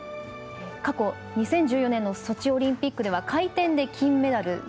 過去、２０１４年のソチオリンピックでは回転で金メダル。